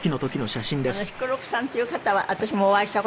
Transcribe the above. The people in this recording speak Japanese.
彦六さんっていう方は私もお会いした事